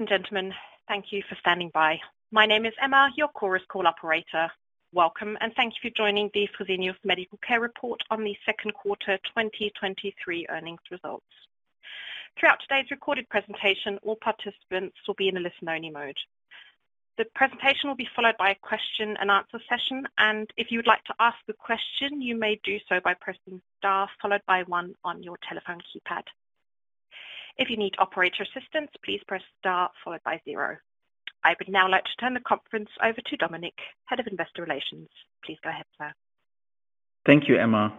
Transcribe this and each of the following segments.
Ladies and gentlemen, thank you for standing by. My name is Emma, your Chorus Call operator. Welcome, and thank you for joining the Fresenius Medical Care report on the second quarter 2023 earnings results. Throughout today's recorded presentation, all participants will be in a listen-only mode. The presentation will be followed by a question-and-answer session, and if you would like to ask a question, you may do so by pressing star followed by 1 on your telephone keypad. If you need operator assistance, please press star followed by 0. I would now like to turn the conference over to Dominik, Head of Investor Relations. Please go ahead, sir. Thank you, Emma.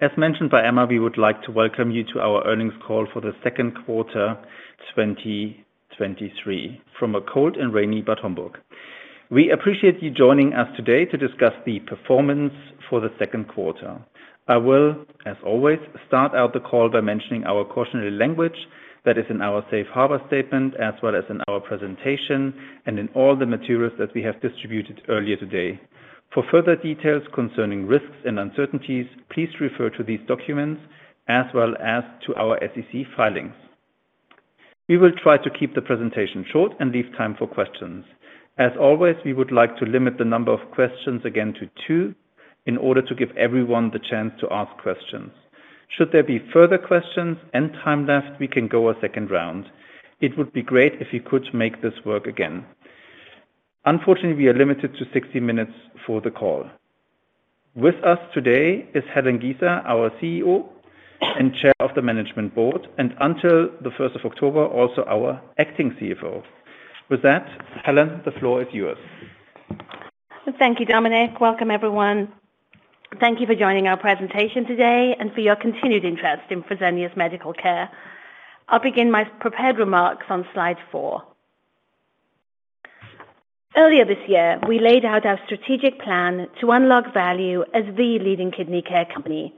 As mentioned by Emma, we would like to welcome you to our earnings call for the second quarter 2023 from a cold and rainy Bad Homburg. We appreciate you joining us today to discuss the performance for the second quarter. I will, as always, start out the call by mentioning our cautionary language that is in our safe harbor statement, as well as in our presentation and in all the materials that we have distributed earlier today. For further details concerning risks and uncertainties, please refer to these documents as well as to our SEC filings. We will try to keep the presentation short and leave time for questions. As always, we would like to limit the number of questions again to two in order to give everyone the chance to ask questions. Should there be further questions and time left, we can go a second round. It would be great if you could make this work again. Unfortunately, we are limited to 60 minutes for the call. With us today is Helen Giza, our CEO and Chair of the Management Board, and until the first of October, also our acting CFO. With that, Helen, the floor is yours. Thank you, Dominik. Welcome, everyone. Thank you for joining our presentation today and for your continued interest in Fresenius Medical Care. I'll begin my prepared remarks on slide 4. Earlier this year, we laid out our strategic plan to unlock value as the leading kidney care company.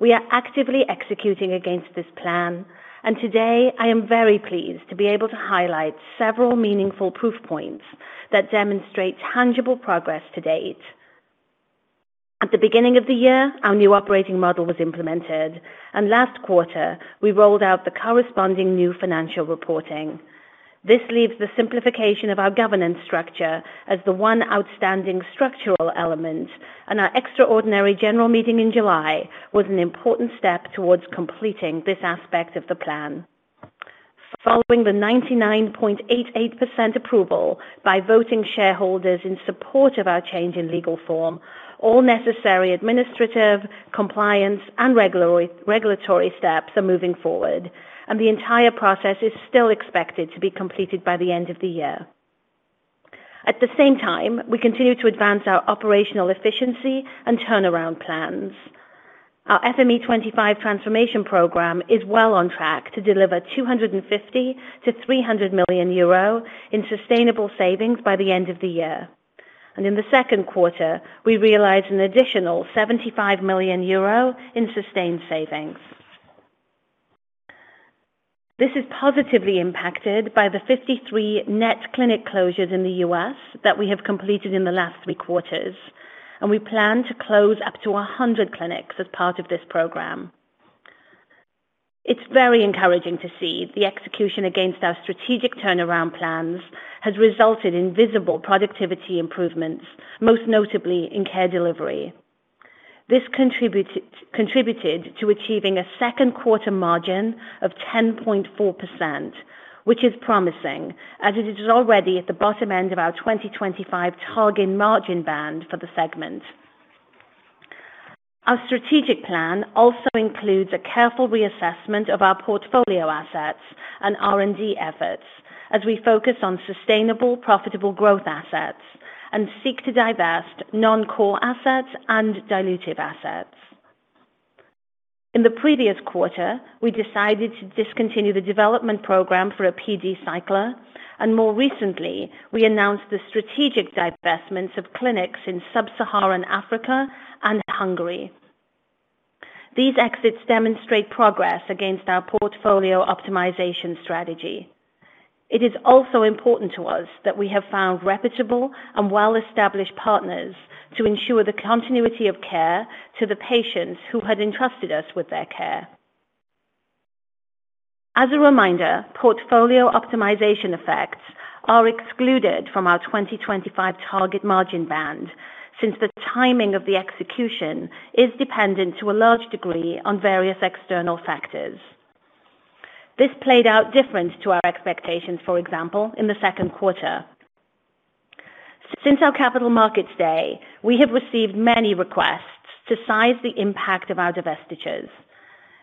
We are actively executing against this plan, and today I am very pleased to be able to highlight several meaningful proof points that demonstrate tangible progress to date. At the beginning of the year, our new operating model was implemented, and last quarter we rolled out the corresponding new financial reporting. This leaves the simplification of our governance structure as the 1 outstanding structural element, and our extraordinary general meeting in July was an important step towards completing this aspect of the plan. Following the 99.88% approval by voting shareholders in support of our change in legal form, all necessary administrative, compliance, and regulatory steps are moving forward, the entire process is still expected to be completed by the end of the year. At the same time, we continue to advance our operational efficiency and turnaround plans. Our FME25 transformation program is well on track to deliver 250 million-300 million euro in sustainable savings by the end of the year, in the second quarter, we realized an additional 75 million euro in sustained savings. This is positively impacted by the 53 net clinic closures in the U.S. that we have completed in the last three quarters, we plan to close up to 100 clinics as part of this program. It's very encouraging to see the execution against our strategic turnaround plans has resulted in visible productivity improvements, most notably in Care Delivery. This contributed, contributed to achieving a second quarter margin of 10.4%, which is promising, as it is already at the bottom end of our 2025 target margin band for the segment. Our strategic plan also includes a careful reassessment of our portfolio assets and R&D efforts as we focus on sustainable, profitable growth assets and seek to divest non-core assets and dilutive assets. In the previous quarter, we decided to discontinue the development program for a PD cycler, and more recently, we announced the strategic divestments of clinics in sub-Saharan Africa and Hungary. These exits demonstrate progress against our portfolio optimization strategy. It is also important to us that we have found reputable and well-established partners to ensure the continuity of care to the patients who had entrusted us with their care. As a reminder, portfolio optimization effects are excluded from our 2025 target margin band since the timing of the execution is dependent to a large degree on various external factors. This played out different to our expectations, for example, in the second quarter. Since our Capital Markets Day, we have received many requests to size the impact of our divestitures.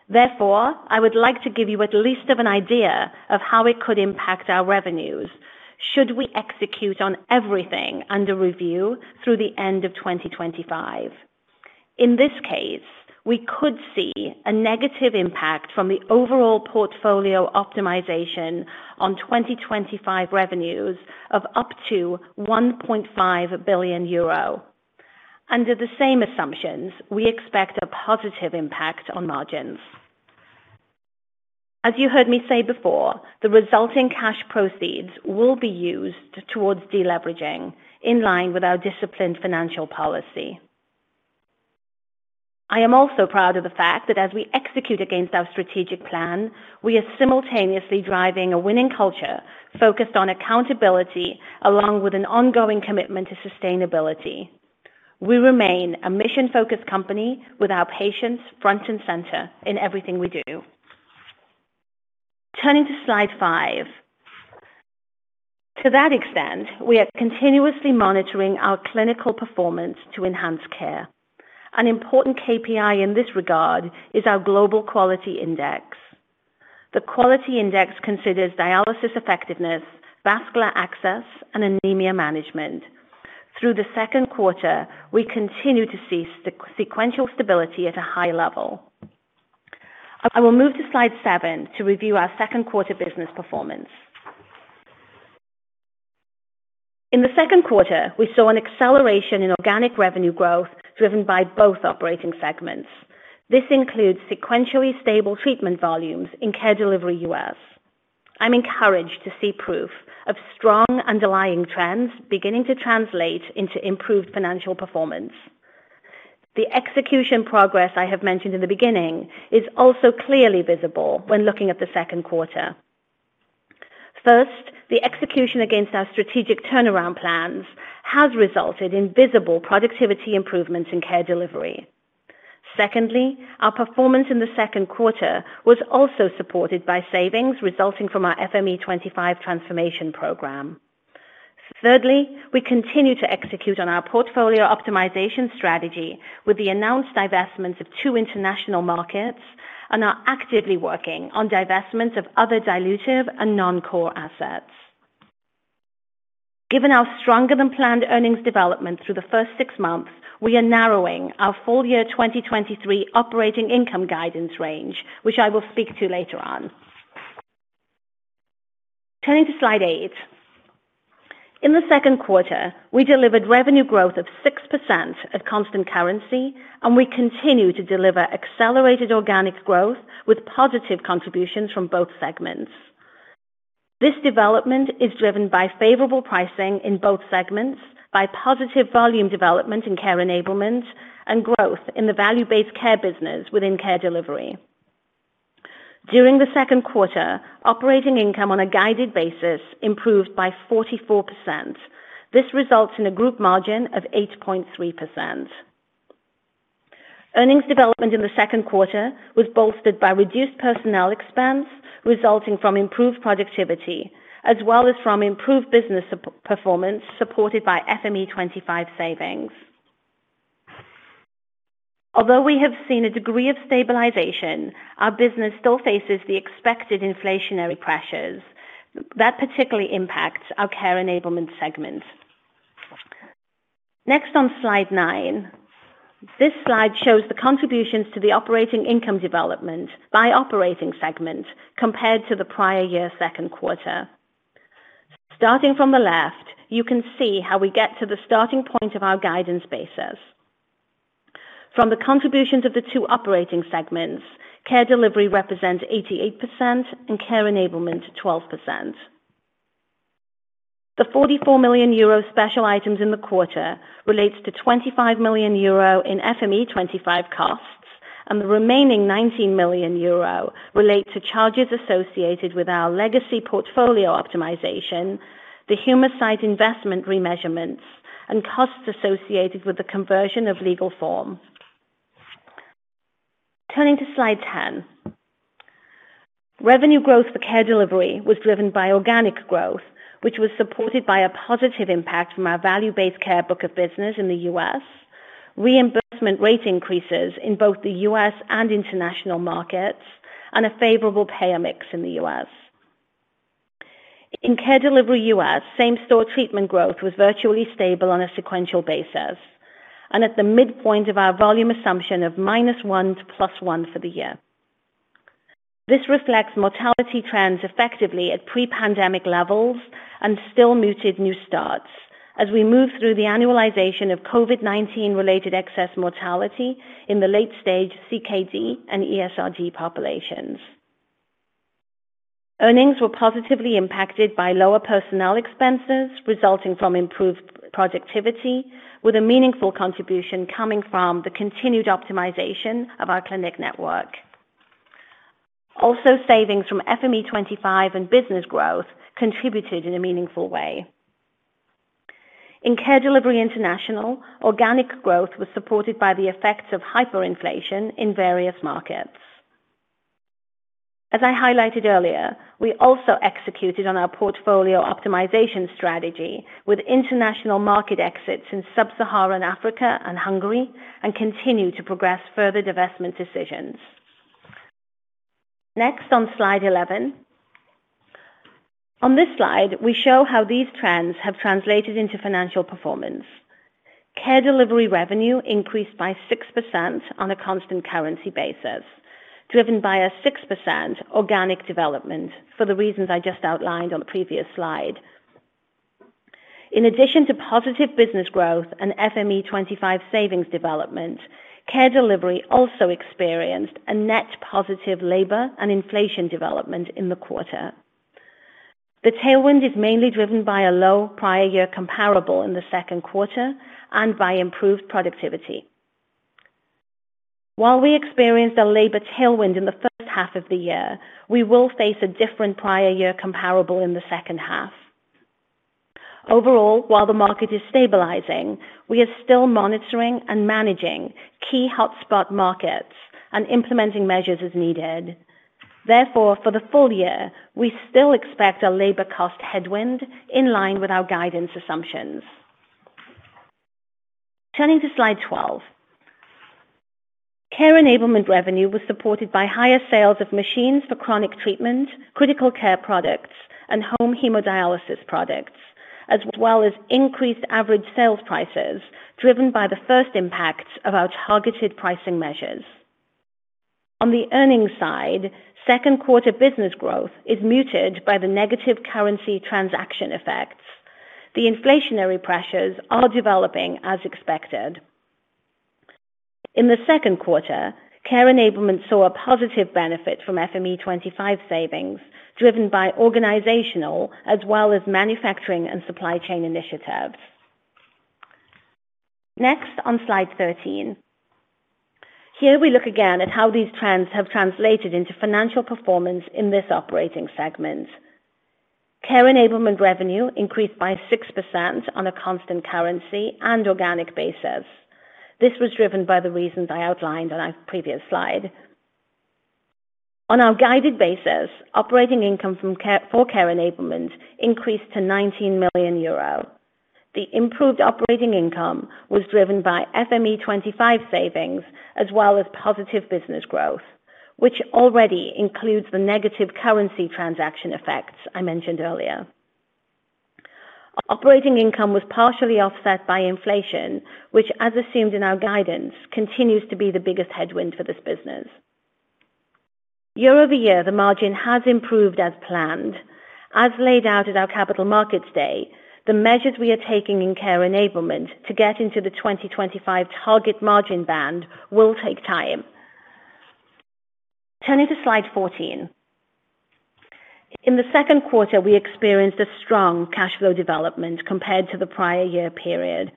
Therefore, I would like to give you at least of an idea of how it could impact our revenues should we execute on everything under review through the end of 2025. In this case, we could see a negative impact from the overall portfolio optimization on 2025 revenues of up to 1.5 billion euro. Under the same assumptions, we expect a positive impact on margins. As you heard me say before, the resulting cash proceeds will be used towards deleveraging in line with our disciplined financial policy. I am also proud of the fact that as we execute against our strategic plan, we are simultaneously driving a winning culture focused on accountability, along with an ongoing commitment to sustainability. We remain a mission-focused company with our patients front and center in everything we do. Turning to slide 5. To that extent, we are continuously monitoring our clinical performance to enhance care. An important KPI in this regard is our Global Quality Index. The quality index considers dialysis effectiveness, vascular access, and anemia management. Through the second quarter, we continue to see sequential stability at a high level. I will move to slide 7 to review our second quarter business performance. In the second quarter, we saw an acceleration in organic revenue growth, driven by both operating segments. This includes sequentially stable treatment volumes in Care Delivery U.S. I'm encouraged to see proof of strong underlying trends beginning to translate into improved financial performance. The execution progress I have mentioned in the beginning is also clearly visible when looking at the second quarter. First, the execution against our strategic turnaround plans has resulted in visible productivity improvements in Care Delivery. Secondly, our performance in the second quarter was also supported by savings resulting from our FME25 transformation program. Thirdly, we continue to execute on our portfolio optimization strategy with the announced divestment of 2 international markets and are actively working on divestment of other dilutive and non-core assets. Given our stronger than planned earnings development through the first six months, we are narrowing our full year 2023 operating income guidance range, which I will speak to later on. Turning to slide 8. In the second quarter, we delivered revenue growth of 6% at constant currency. We continue to deliver accelerated organic growth with positive contributions from both segments. This development is driven by favorable pricing in both segments, by positive volume development in Care Enablement, and growth in the value-based care business within Care Delivery. During the second quarter, operating income on a guided basis improved by 44%. This results in a group margin of 8.3%. Earnings development in the second quarter was bolstered by reduced personnel expense, resulting from improved productivity, as well as from improved business performance supported by FME25 savings. Although we have seen a degree of stabilization, our business still faces the expected inflationary pressures. That particularly impacts our Care Enablement segment. On slide 9. This slide shows the contributions to the operating income development by operating segment compared to the prior year second quarter. Starting from the left, you can see how we get to the starting point of our guidance basis. From the contributions of the two operating segments, Care Delivery represents 88% and Care Enablement 12%. The 44 million euro special items in the quarter relates to 25 million euro in FME25 costs, and the remaining 19 million euro relate to charges associated with our legacy portfolio optimization, the Humacyte investment remeasurements, and costs associated with the conversion of legal form. On slide 10. Revenue growth for Care Delivery was driven by organic growth, which was supported by a positive impact from our value-based care book of business in the U.S., reimbursement rate increases in both the U.S. and international markets, and a favorable payer mix in the U.S. In Care Delivery U.S., same store treatment growth was virtually stable on a sequential basis and at the midpoint of our volume assumption of -1 to +1 for the year. This reflects mortality trends effectively at pre-pandemic levels and still muted new starts as we move through the annualization of COVID-19 related excess mortality in the late stage CKD and ESRD populations. Earnings were positively impacted by lower personnel expenses resulting from improved productivity, with a meaningful contribution coming from the continued optimization of our clinic network. Savings from FME25 and business growth contributed in a meaningful way. In Care Delivery International, organic growth was supported by the effects of hyperinflation in various markets. As I highlighted earlier, we also executed on our portfolio optimization strategy with international market exits in sub-Saharan Africa and Hungary and continue to progress further divestment decisions. Next, on slide 11. On this slide, we show how these trends have translated into financial performance. Care Delivery revenue increased by 6% on a constant currency basis, driven by a 6% organic development for the reasons I just outlined on the previous slide. In addition to positive business growth and FME25 savings development, Care Delivery also experienced a net positive labor and inflation development in the quarter. The tailwind is mainly driven by a low prior year comparable in the second quarter and by improved productivity. While we experienced a labor tailwind in the first half of the year, we will face a different prior year comparable in the second half. Overall, while the market is stabilizing, we are still monitoring and managing key hotspot markets and implementing measures as needed. Therefore, for the full year, we still expect a labor cost headwind in line with our guidance assumptions. Turning to slide 12. Care Enablement revenue was supported by higher sales of machines for chronic treatment, critical care products and home hemodialysis products, as well as increased average sales prices, driven by the first impact of our targeted pricing measures. On the earnings side, second quarter business growth is muted by the negative currency transaction effects. The inflationary pressures are developing as expected. In the 2Q, Care Enablement saw a positive benefit from FME25 savings, driven by organizational as well as manufacturing and supply chain initiatives. Next, on slide 13. Here we look again at how these trends have translated into financial performance in this operating segment. Care Enablement revenue increased by 6% on a constant currency and organic basis. This was driven by the reasons I outlined on our previous slide. On our guided basis, operating income for Care Enablement increased to 19 million euro. The improved operating income was driven by FME25 savings as well as positive business growth, which already includes the negative currency transaction effects I mentioned earlier. Operating income was partially offset by inflation, which, as assumed in our guidance, continues to be the biggest headwind for this business. Year-over-year, the margin has improved as planned. As laid out at our Capital Markets Day, the measures we are taking in Care Enablement to get into the 2025 target margin band will take time. Turning to slide 14. In the second quarter, we experienced a strong cash flow development compared to the prior year period.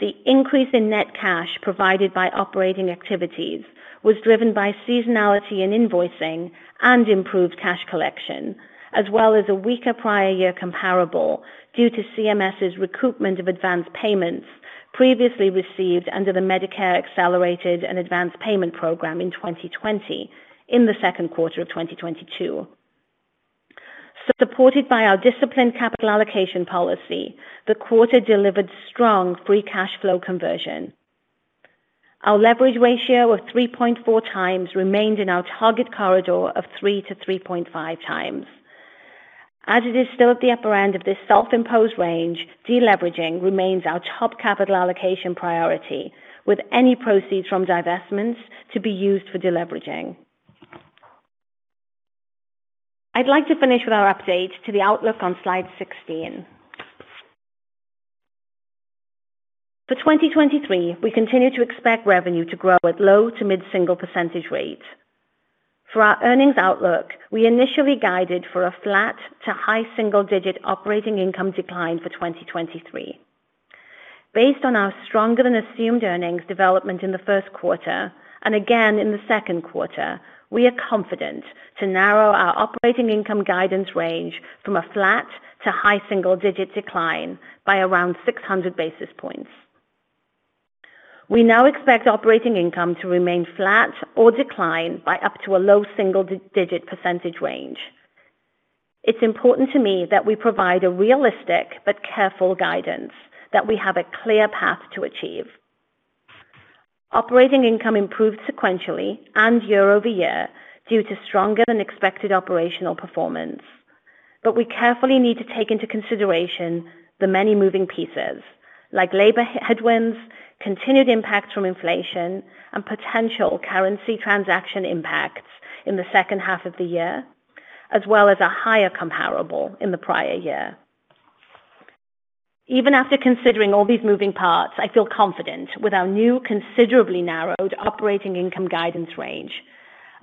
The increase in net cash provided by operating activities was driven by seasonality in invoicing and improved cash collection, as well as a weaker prior year comparable due to CMS's recoupment of advanced payments previously received under the Medicare Accelerated and Advance Payment Program in 2020, in the second quarter of 2022. Supported by our disciplined capital allocation policy, the quarter delivered strong free cash flow conversion. Our leverage ratio of 3.4 times remained in our target corridor of 3 to 3.5 times. As it is still at the upper end of this self-imposed range, deleveraging remains our top capital allocation priority, with any proceeds from divestments to be used for deleveraging. I'd like to finish with our update to the outlook on slide 16. For 2023, we continue to expect revenue to grow at low to mid-single % rates. For our earnings outlook, we initially guided for a flat to high single-digit operating income decline for 2023. Based on our stronger than assumed earnings development in the 1st quarter and again in the 2nd quarter, we are confident to narrow our operating income guidance range from a flat to high single-digit decline by around 600 basis points. We now expect operating income to remain flat or decline by up to a low single-digit % range. It's important to me that we provide a realistic but careful guidance that we have a clear path to achieve. Operating income improved sequentially and year-over-year due to stronger than expected operational performance. We carefully need to take into consideration the many moving pieces, like labor headwinds, continued impact from inflation, and potential currency transaction impacts in the second half of the year, as well as a higher comparable in the prior year. Even after considering all these moving parts, I feel confident with our new, considerably narrowed operating income guidance range.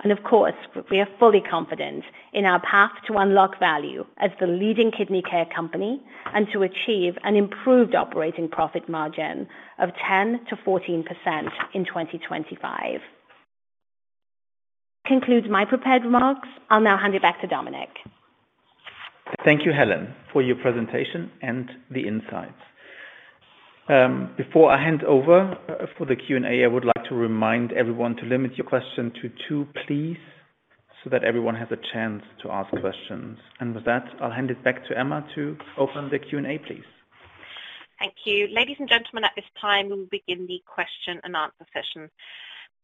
Of course, we are fully confident in our path to unlock value as the leading kidney care company and to achieve an improved operating profit margin of 10%-14% in 2025. Concludes my prepared remarks. I'll now hand it back to Dominik. Thank you, Helen, for your presentation and the insights. Before I hand over for the Q&A, I would like to remind everyone to limit your question to two, please, so that everyone has a chance to ask questions. With that, I'll hand it back to Emma to open the Q&A, please. Thank you. Ladies and gentlemen, at this time, we will begin the question and answer session.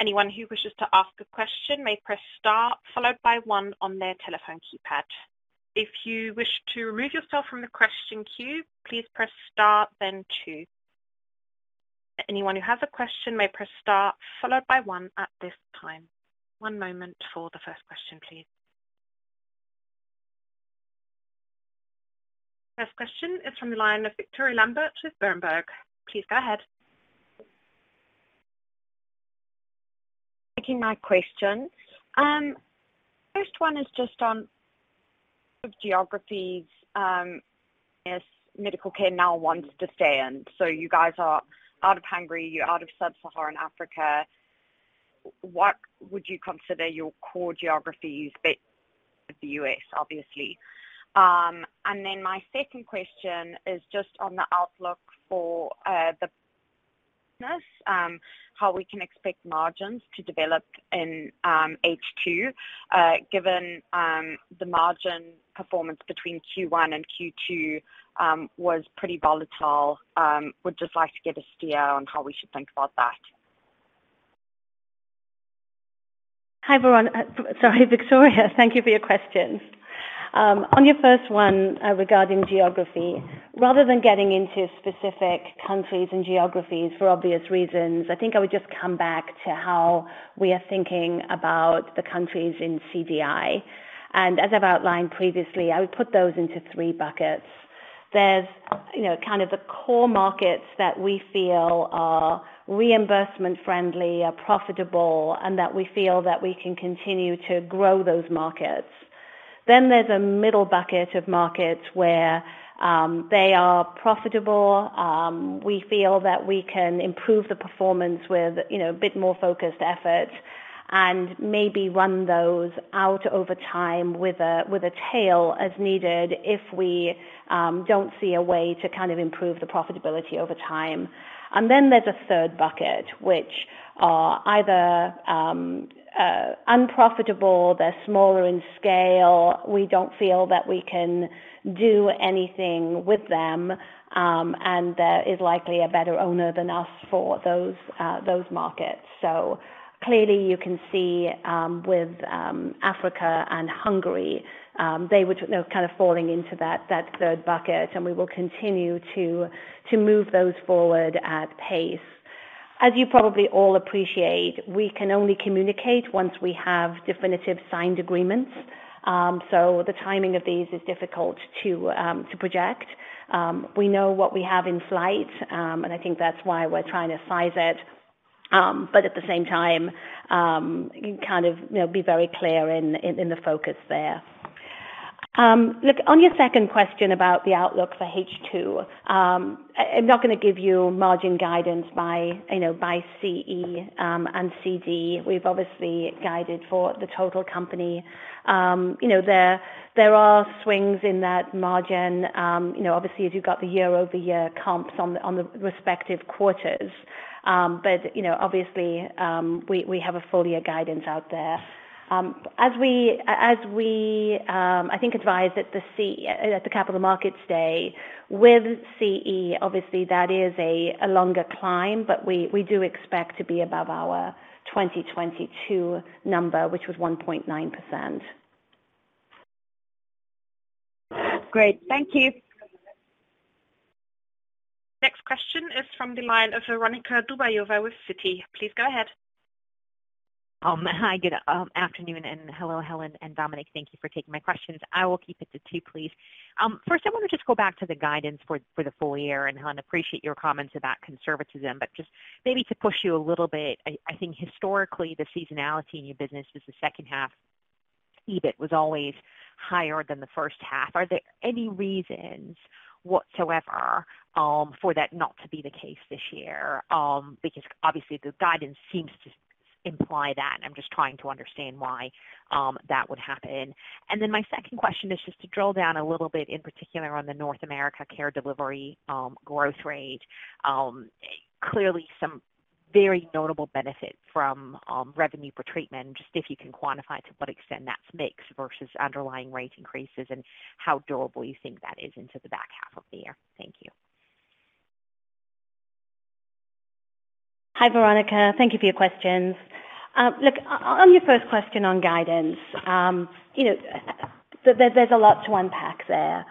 Anyone who wishes to ask a question may press star followed by one on their telephone keypad. If you wish to remove yourself from the question queue, please press star, then two. Anyone who has a question may press star followed by one at this time. One moment for the first question, please. First question is from the line of Victoria Lambert with Berenberg. Please go ahead. Taking my question. First one is just on geographies, as Medical Care now wants to stay in. You guys are out of Hungary, you're out of sub-Saharan Africa. What would you consider your core geographies, but the U.S., obviously? My second question is just on the outlook for the business, how we can expect margins to develop in H2, given the margin performance between Q1 and Q2 was pretty volatile. Would just like to get a steer on how we should think about that. Hi, everyone. Sorry, Victoria, thank you for your questions. On your first one, regarding geography, rather than getting into specific countries and geographies for obvious reasons, I think I would just come back to how we are thinking about the countries in CDI. As I've outlined previously, I would put those into three buckets. There's, you know, kind of the core markets that we feel are reimbursement friendly, are profitable, and that we feel that we can continue to grow those markets. Then there's a middle bucket of markets where they are profitable, we feel that we can improve the performance with, you know, a bit more focused efforts and maybe run those out over time with a, with a tail as needed if we don't see a way to kind of improve the profitability over time. There's a third bucket, which are either unprofitable, they're smaller in scale. We don't feel that we can do anything with them, and there is likely a better owner than us for those those markets. Clearly you can see, with Africa and Hungary, they would, you know, kind of falling into that, that third bucket, and we will continue to move those forward at pace. You probably all appreciate, we can only communicate once we have definitive signed agreements, so the timing of these is difficult to project. We know what we have in flight, and I think that's why we're trying to size it, but at the same time, kind of, you know, be very clear in, in, in the focus there. Look, on your second question about the outlook for H2, I'm not going to give you margin guidance by, you know, by CE and CD. We've obviously guided for the total company. You know, there, there are swings in that margin, you know, obviously as you've got the year-over-year comps on the, on the respective quarters. You know, obviously, we, we have a full year guidance out there. As we, as we, I think advised at the Capital Markets Day, with CE, obviously that is a, a longer climb, but we, we do expect to be above our 2022 number, which was 1.9%. Great. Thank you. Next question is from the line of Veronika Dubajova with Citi. Please go ahead. Hi, good afternoon, and hello, Helen and Dominik. Thank you for taking my questions. I will keep it to two, please. First, I want to just go back to the guidance for the full year, Helen, appreciate your comments about conservatism, but just maybe to push you a little bit. I think historically, the seasonality in your business is the second half EBIT was always higher than the first half. Are there any reasons whatsoever for that not to be the case this year? Because obviously the guidance seems to imply that, and I'm just trying to understand why that would happen. Then my second question is just to drill down a little bit, in particular on the North America Care Delivery growth rate. Clearly some very notable benefit from revenue per treatment, just if you can quantify to what extent that's mix versus underlying rate increases, and how durable you think that is into the back half of the year. Thank you. Hi, Veronika. Thank you for your questions. look, on your first question on guidance, you know, there, there's a lot to unpack there.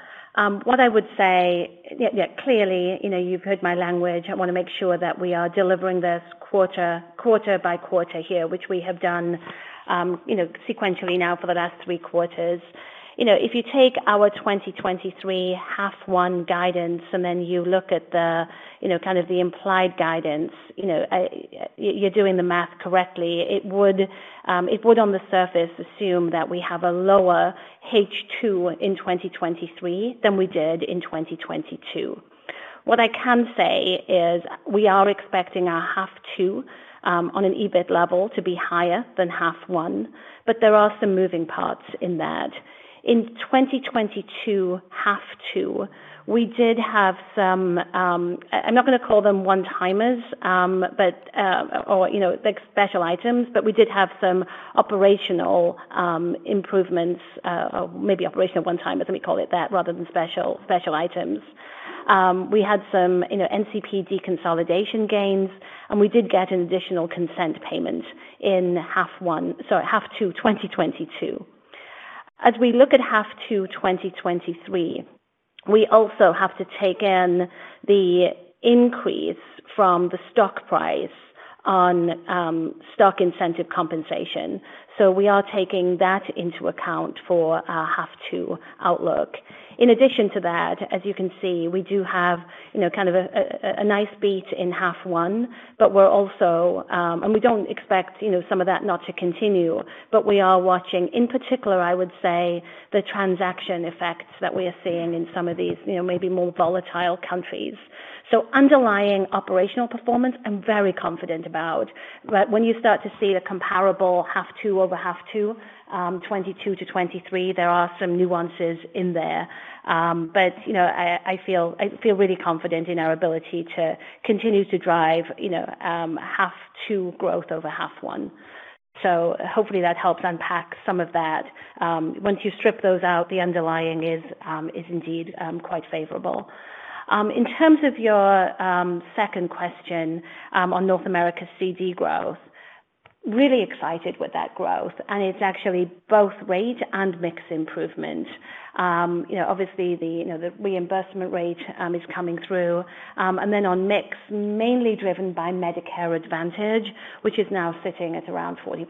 What I would say, yeah, yeah, clearly, you know, you've heard my language. I want to make sure that we are delivering this quarter, quarter by quarter here, which we have done, you know, sequentially now for the last 3 quarters. You know, if you take our 2023 half 1 guidance, and then you look at the, you know, kind of the implied guidance, you know, y-you're doing the math correctly, it would, on the surface, assume that we have a lower H2 in 2023 than we did in 2022. What I can say is we are expecting our half two, on an EBIT level, to be higher than half one, but there are some moving parts in that. In 2022, half two, we did have some, I'm not going to call them one-timers, or, you know, special items, but we did have some operational improvements, or maybe operational one-timers, let me call it that, rather than special, special items. We had some, you know, NCP deconsolidation gains, and we did get an additional consent payment in half one. Half two, 2022. As we look at half two, 2023. We also have to take in the increase from the stock price on stock incentive compensation. We are taking that into account for our half two outlook. In addition to that, as you can see, we do have, you know, kind of a, a nice beat in half 1, but we're also-- and we don't expect, you know, some of that not to continue, but we are watching. In particular, I would say the transaction effects that we are seeing in some of these, you know, maybe more volatile countries. Underlying operational performance, I'm very confident about, but when you start to see the comparable half 2 over half 2, 2022 to 2023, there are some nuances in there. You know, I, I feel, I feel really confident in our ability to continue to drive, you know, half 2 growth over half 1. Hopefully that helps unpack some of that. Once you strip those out, the underlying is, is indeed, quite favorable. In terms of your second question on North America CD growth, really excited with that growth, and it's actually both rate and mix improvement. You know, obviously the, you know, the reimbursement rate is coming through. On mix, mainly driven by Medicare Advantage, which is now sitting at around 40%.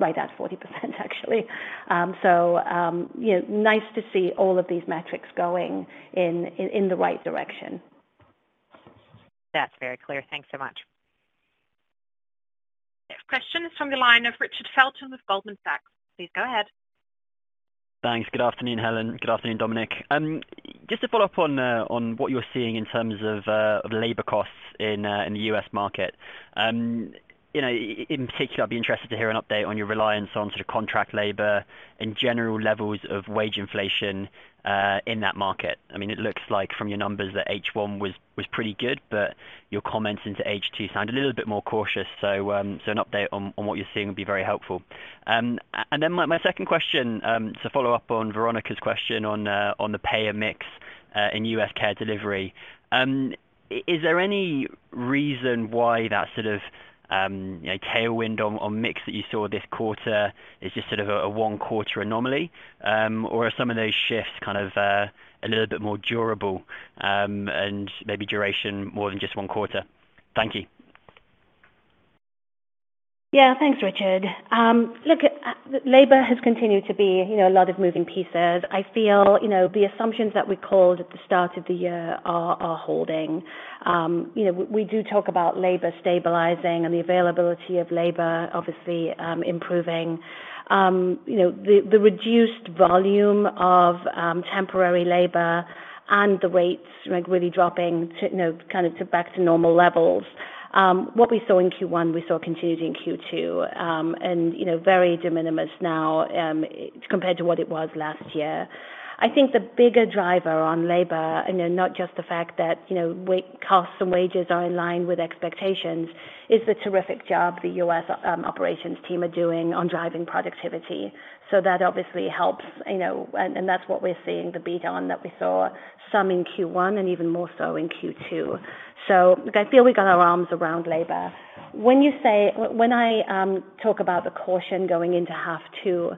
Right at 40%, actually. You know, nice to see all of these metrics going in, in the right direction. That's very clear. Thanks so much. Next question is from the line of Richard Felton with Goldman Sachs. Please go ahead. Thanks. Good afternoon, Helen. Good afternoon, Dominik. Just to follow up on what you're seeing in terms of labor costs in the U market. In particular, I'd be interested to hear an update on your reliance on sort of contract labor and general levels of wage inflation in that market. I mean, it looks like from your numbers that H one was, was pretty good, but your comments into H two sound a little bit more cautious. An update on what you're seeing would be very helpful. Then my second question, to follow up on Veronika's question on the payer mix, in US Care Delivery, is there any reason why that sort of, you know, tailwind on mix that you saw this quarter is just sort of a one quarter anomaly? Or are some of those shifts kind of, a little bit more durable, and maybe duration more than just one quarter? Thank you. Yeah. Thanks, Richard. Look, labor has continued to be, you know, a lot of moving pieces. I feel, you know, the assumptions that we called at the start of the year are holding. You know, we, we do talk about labor stabilizing and the availability of labor, obviously, improving. You know, the, the reduced volume of temporary labor and the rates, like, really dropping to, you know, kind of back to normal levels. What we saw in Q1, we saw continuing in Q2, and, you know, very de minimis now, compared to what it was last year. I think the bigger driver on labor, you know, not just the fact that, you know, costs and wages are in line with expectations, is the terrific job the U.S. operations team are doing on driving productivity. That obviously helps, you know, and, and that's what we're seeing, the beat on that we saw some in Q1 and even more so in Q2. I feel we got our arms around labor. When I talk about the caution going into half 2, you know,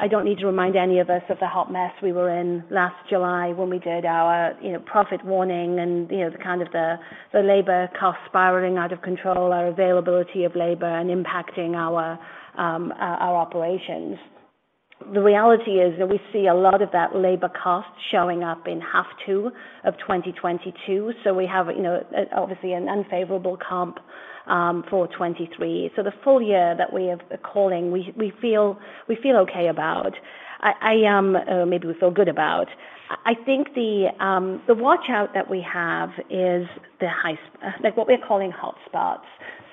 I don't need to remind any of us of the hot mess we were in last July when we did our, you know, profit warning and, you know, the kind of the, the labor costs spiraling out of control, our availability of labor and impacting our, our operations. The reality is that we see a lot of that labor cost showing up in half 2 of 2022. We have, you know, obviously an unfavorable comp for 2023. The full year that we are calling, we, we feel, we feel okay about. I, I, or maybe we feel good about. I think the watch out that we have is the high like, what we're calling hotspots.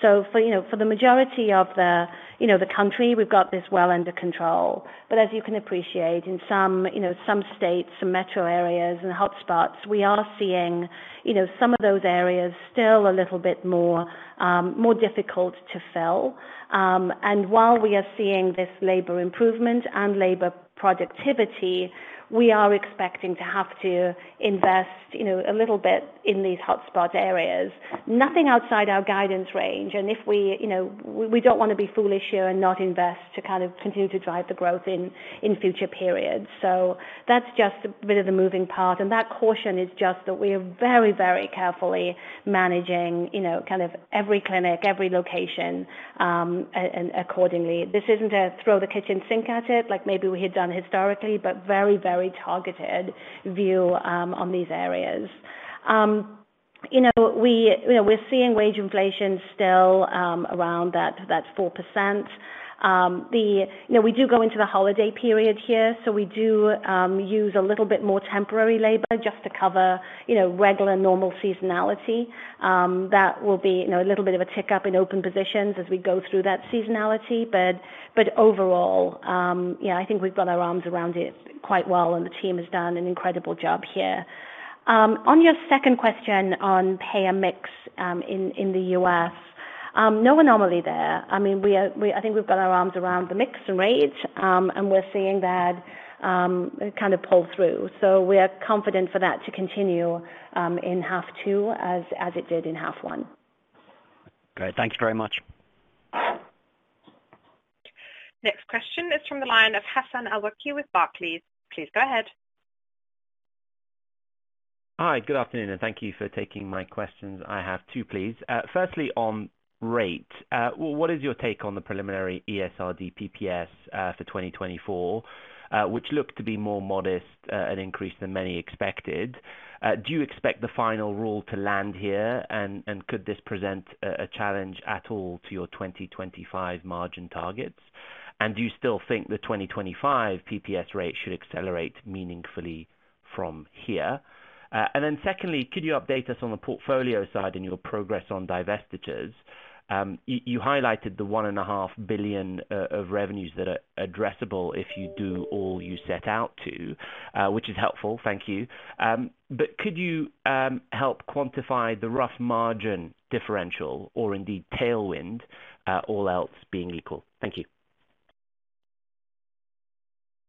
For, you know, for the majority of the, you know, the country, we've got this well under control. As you can appreciate, in some, you know, some states, some metro areas and hotspots, we are seeing, you know, some of those areas still a little bit more, more difficult to fill. While we are seeing this labor improvement and labor productivity, we are expecting to have to invest, you know, a little bit in these hotspot areas. Nothing outside our guidance range, if we, you know, we, we don't want to be foolish here and not invest to kind of continue to drive the growth in, in future periods. That's just a bit of the moving part, and that caution is just that we are very, very carefully managing, you know, kind of every clinic, every location, and accordingly. This isn't a throw the kitchen sink at it, like maybe we had done historically, but very, very targeted view on these areas. You know, we, you know, we're seeing wage inflation still around that, that 4%. You know, we do go into the holiday period here, so we do use a little bit more temporary labor just to cover, you know, regular, normal seasonality. That will be, you know, a little bit of a tick-up in open positions as we go through that seasonality, but overall, yeah, I think we've got our arms around it quite well, and the team has done an incredible job here. On your second question on payer mix, in the US, no anomaly there. I mean, we are, I think we've got our arms around the mix and rates, and we're seeing that kind of pull through. We are confident for that to continue in half two as it did in half one. Great. Thank you very much. Next question is from the line of Hassan Al-Wakeel with Barclays. Please go ahead. Hi, good afternoon, and thank you for taking my questions. I have two, please. Firstly, on rate. What is your take on the preliminary ESRD PPS for 2024, which looked to be more modest an increase than many expected. Do you expect the final rule to land here, and could this present a challenge at all to your 2025 margin targets? Do you still think the 2025 PPS rate should accelerate meaningfully from here? Secondly, could you update us on the portfolio side and your progress on divestitures? You highlighted the $1.5 billion of revenues that are addressable if you do all you set out to, which is helpful. Thank you. Could you help quantify the rough margin differential or indeed tailwind, all else being equal? Thank you.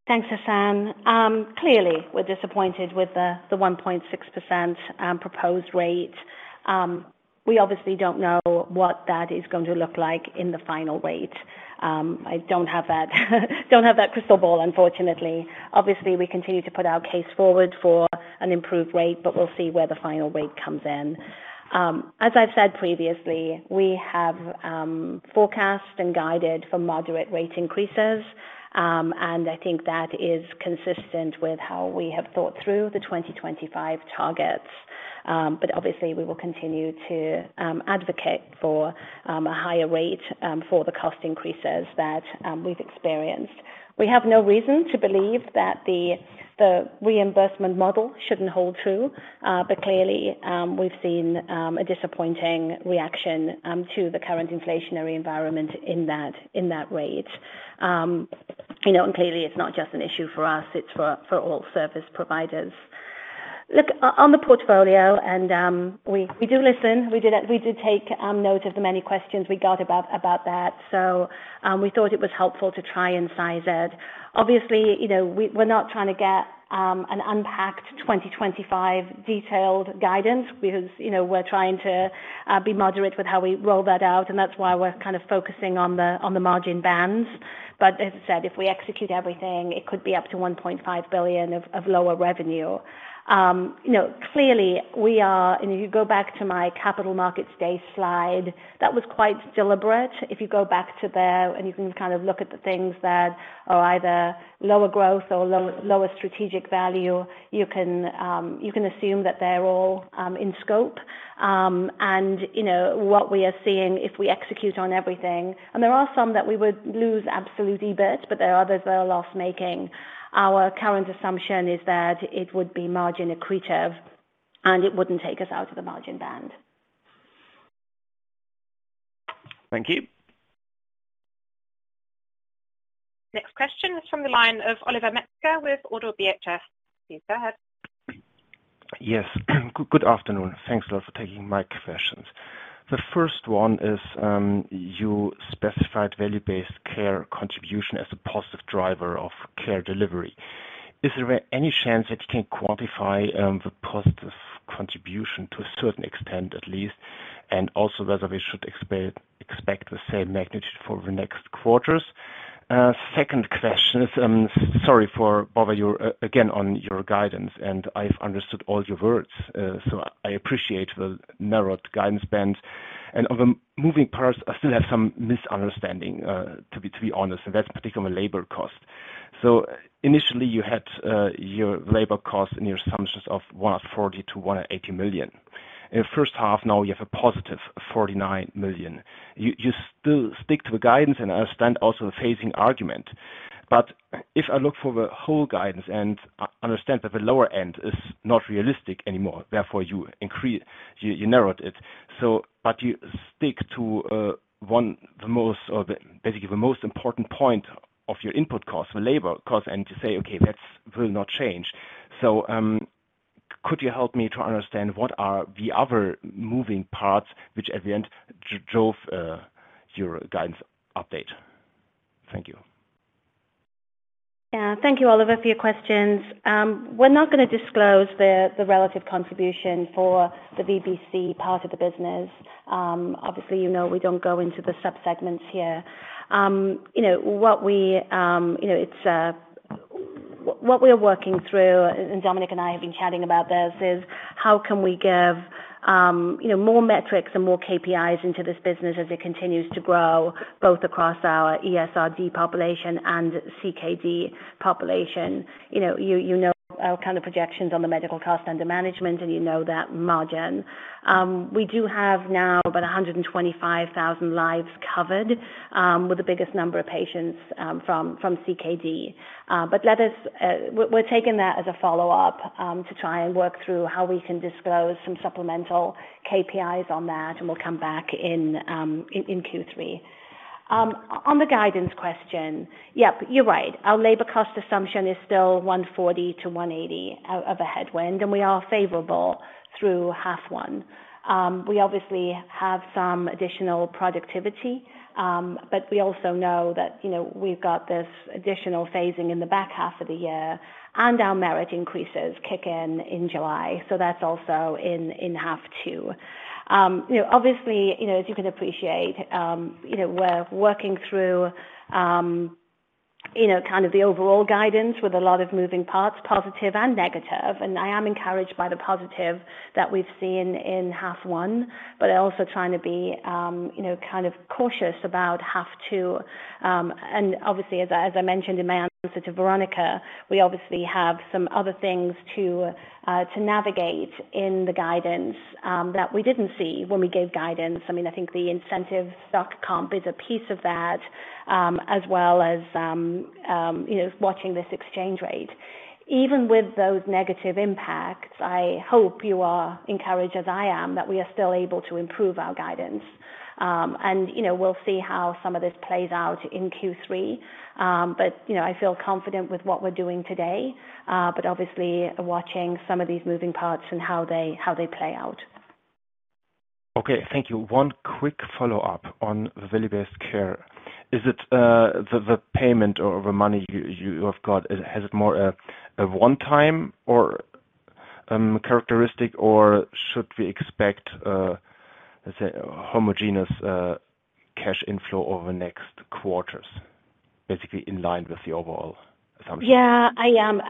Thanks, Hassan. Clearly, we're disappointed with the 1.6% proposed rate. We obviously don't know what that is going to look like in the final rate. I don't have that, don't have that crystal ball, unfortunately. Obviously, we continue to put our case forward for an improved rate, but we'll see where the final rate comes in. As I've said previously, we have forecast and guided for moderate rate increases, and I think that is consistent with how we have thought through the 2025 targets. But obviously, we will continue to advocate for a higher rate for the cost increases that we've experienced. We have no reason to believe that the, the reimbursement model shouldn't hold true, clearly, we've seen a disappointing reaction to the current inflationary environment in that, in that rate. You know, clearly, it's not just an issue for us, it's for, for all service providers. Look, on the portfolio, we, we do listen. We do that, we do take note of the many questions we got about, about that. We thought it was helpful to try and size it. Obviously, you know, we're not trying to get an unpacked 2025 detailed guidance because, you know, we're trying to be moderate with how we roll that out, and that's why we're kind of focusing on the, on the margin bands. As I said, if we execute everything, it could be up to $1.5 billion of, of lower revenue. You know, clearly, we are -- and if you go back to my Capital Markets Day slide, that was quite deliberate. If you go back to there, and you can kind of look at the things that are either lower growth or lower strategic value, you can assume that they're all in scope. You know, what we are seeing if we execute on everything, and there are some that we would lose absolute EBIT, but there are others that are loss making. Our current assumption is that it would be margin accretive, and it wouldn't take us out of the margin band. Thank you. Next question is from the line of Oliver Metzger with ODDO BHF. Please go ahead. Yes. Good afternoon. Thanks a lot for taking my questions. The first one is, you specified value-based care contribution as a positive driver of Care Delivery. Is there any chance that you can quantify the positive contribution to a certain extent, at least, and also whether we should expect the same magnitude for the next quarters? Second question is, sorry for over your... again, on your guidance, and I've understood all your words, so I appreciate the narrowed guidance band. On the moving parts, I still have some misunderstanding, to be honest, and that's particularly on labor cost. Initially, you had your labor cost and your assumptions of 140 million-180 million. In the first half, now you have a positive 49 million. You still stick to the guidance and understand also the phasing argument. If I look for the whole guidance and understand that the lower end is not realistic anymore, therefore you increase, you narrowed it. You stick to one, the most, or the, basically the most important point of your input costs, the labor cost, and to say, "Okay, that's will not change." Could you help me to understand what are the other moving parts, which at the end, drove your guidance update? Thank you. Yeah. Thank you, Oliver, for your questions. We're not gonna disclose the, the relative contribution for the VBC part of the business. Obviously, you know, we don't go into the subsegments here. You know, what we, you know, it's w-what we're working through, and Dominik and I have been chatting about this, is how can we give, you know, more metrics and more KPIs into this business as it continues to grow, both across our ESRD population and CKD population. You know, you, you know, our kind of projections on the medical cost under management, and you know that margin. We do have now about 125,000 lives covered with the biggest number of patients from, from CKD. Let us, we're taking that as a follow-up to try and work through how we can disclose some supplemental KPIs on that, and we'll come back in in Q3. On the guidance question, yep, you're right. Our labor cost assumption is still $140-$180 out of a headwind, and we are favorable through half 1. We obviously have some additional productivity, but we also know that, you know, we've got this additional phasing in the back half of the year, and our merit increases kick in in July, so that's also in in half 2. You know, obviously, you know, as you can appreciate, you know, we're working through, you know, kind of the overall guidance with a lot of moving parts, positive and negative. I am encouraged by the positive that we've seen in half one, also trying to be, you know, kind of cautious about half two. Obviously, as I, as I mentioned in my answer to Veronika, we obviously have some other things to navigate in the guidance that we didn't see when we gave guidance. I mean, I think the incentive stock comp is a piece of that, as well as, you know, watching this exchange rate. Even with those negative impacts, I hope you are encouraged, as I am, that we are still able to improve our guidance. You know, we'll see how some of this plays out in Q three. You know, I feel confident with what we're doing today, but obviously watching some of these moving parts and how they, how they play out. Okay, thank you. One quick follow-up on the value-based care. Is it the, the payment or the money you, you have got, has it more a one-time characteristic, or should we expect, let's say, homogeneous cash inflow over the next quarters, basically in line with the overall assumption? Yeah, I am.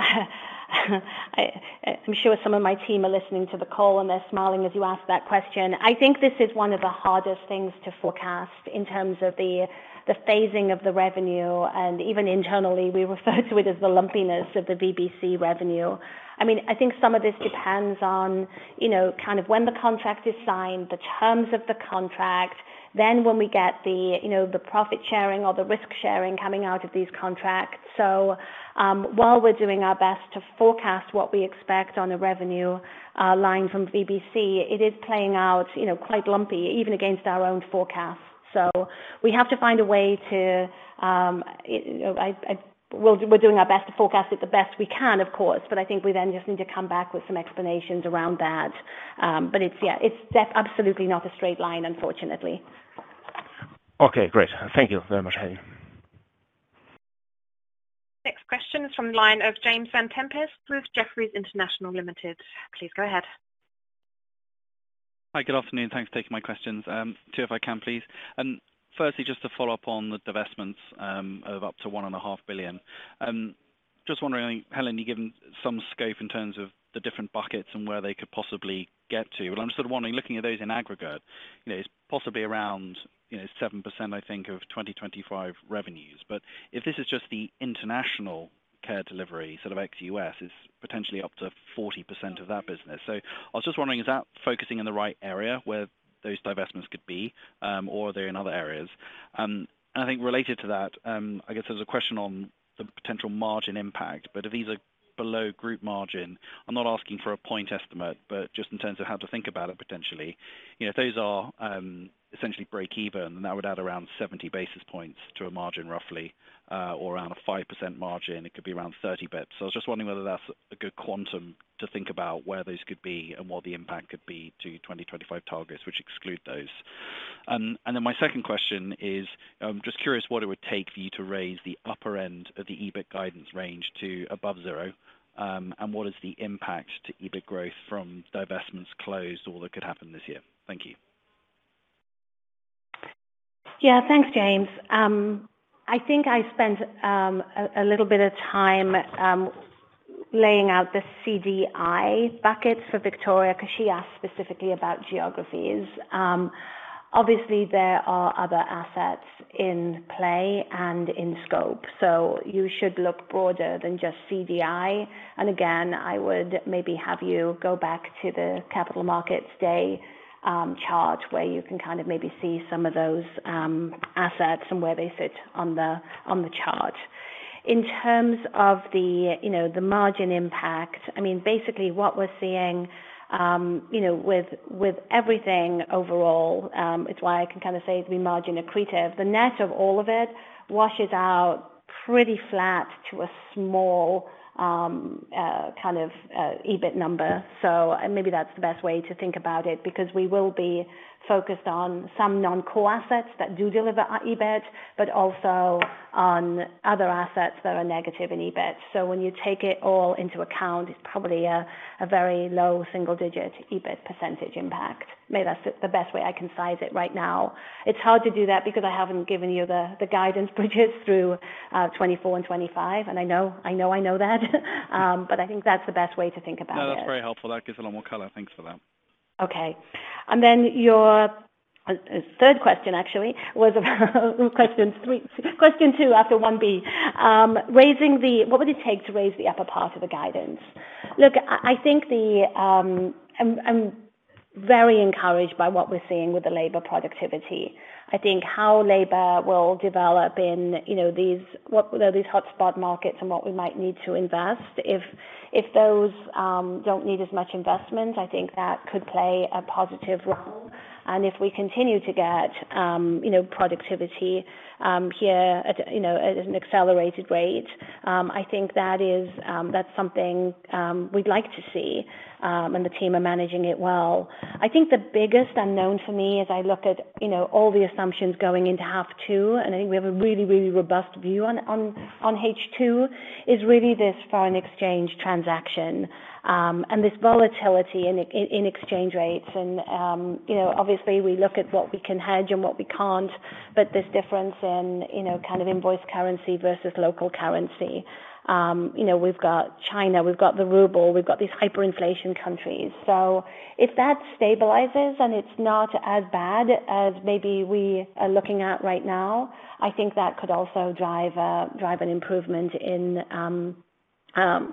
I, I'm sure some of my team are listening to the call and they're smiling as you ask that question. I think this is one of the hardest things to forecast in terms of the, the phasing of the revenue, and even internally, we refer to it as the lumpiness of the VBC revenue. I mean, I think some of this depends on, you know, kind of when the contract is signed, the terms of the contract, then when we get the, you know, the profit sharing or the risk sharing coming out of these contracts. While we're doing our best to forecast what we expect on a revenue line from VBC, it is playing out, you know, quite lumpy, even against our own forecasts. We have to find a way to... We're doing our best to forecast it the best we can, of course. I think we then just need to come back with some explanations around that. It's, yeah, it's definitely absolutely not a straight line, unfortunately. Okay, great. Thank you very much, Helen. Next question is from the line of James Vane-Tempest with Jefferies International Limited. Please go ahead. Hi, good afternoon. Thanks for taking my questions. 2, if I can, please. Firstly, just to follow up on the divestments, of up to 1.5 billion. Just wondering, Helen, you've given some scope in terms of the different buckets and where they could possibly get to, I'm sort of wondering, looking at those in aggregate, you know, it's possibly around, you know, 7%, I think, of 2025 revenues. If this is just the international Care Delivery, sort of ex-U.S., it's potentially up to 40% of that business. I was just wondering, is that focusing in the right area where those divestments could be, or are they in other areas? I think related to that, I guess there's a question on the potential margin impact, but if these are below group margin, I'm not asking for a point estimate, but just in terms of how to think about it potentially. You know, if those are, essentially break even, then that would add around 70 basis points to a margin, roughly, or around a 5% margin, it could be around 30 basis points. I was just wondering whether that's a good quantum to think about where those could be and what the impact could be to 2025 targets, which exclude those. My second question is, I'm just curious what it would take for you to raise the upper end of the EBIT guidance range to above zero, and what is the impact to EBIT growth from divestments closed or that could happen this year? Thank you. Yeah. Thanks, James. I think I spent a little bit of time laying out the CDI buckets for Victoria because she asked specifically about geographies. Obviously there are other assets in play and in scope, so you should look broader than just CDI. Again, I would maybe have you go back to the Capital Markets Day chart, where you can kind of maybe see some of those assets and where they fit on the chart. In terms of the, you know, the margin impact, I mean, basically what we're seeing, you know, with, with everything overall, it's why I can kind of say it's been margin accretive. The net of all of it washes out pretty flat to a small kind of EBIT number. Maybe that's the best way to think about it, because we will be focused on some non-core assets that do deliver our EBIT, also on other assets that are negative in EBIT. When you take it all into account, it's probably a very low single-digit EBIT % impact. Maybe that's the best way I can size it right now. It's hard to do that because I haven't given you the guidance, which is through 2024 and 2025, and I know, I know I know that, but I think that's the best way to think about it. No, that's very helpful. That gives a lot more color. Thanks for that. Okay. Your 3rd question actually was about question 3-- question 2, after 1B. What would it take to raise the upper part of the guidance? Look, I, I think. I'm, I'm very encouraged by what we're seeing with the labor productivity. I think how labor will develop in, you know, these, what are these hotspot markets and what we might need to invest if those-... don't need as much investment. I think that could play a positive role. If we continue to get, you know, productivity, here at, you know, at an accelerated rate, I think that is, that's something, we'd like to see, and the team are managing it well. I think the biggest unknown for me as I look at, you know, all the assumptions going into half 2, and I think we have a really, really robust view on, on, on H2, is really this foreign exchange transaction, and this volatility in exchange rates. You know, obviously, we look at what we can hedge and what we can't, but there's difference in, you know, kind of invoice currency versus local currency. You know, we've got China, we've got the Ruble, we've got these hyperinflation countries. If that stabilizes and it's not as bad as maybe we are looking at right now, I think that could also drive a, drive an improvement in, you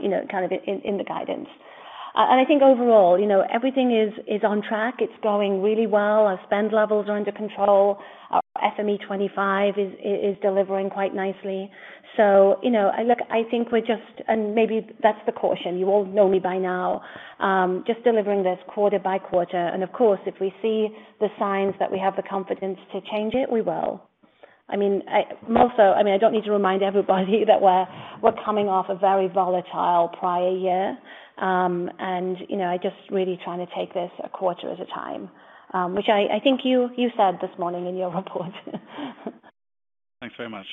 know, kind of in, in the guidance. I think overall, you know, everything is, is on track. It's going really well. Our spend levels are under control. Our FME25 is, is delivering quite nicely. You know, I think we're just, and maybe that's the caution. You all know me by now, just delivering this quarter by quarter. Of course, if we see the signs that we have the confidence to change it, we will. I mean, also, I mean, I don't need to remind everybody that we're, we're coming off a very volatile prior year. You know, I just really trying to take this a quarter at a time, which I, I think you, you said this morning in your report. Thanks very much.